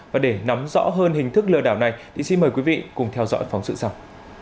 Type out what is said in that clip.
và để nắm rõ hơn hình thức lừa đảo này thì xin mời quý vị cùng theo dõi phóng sự sau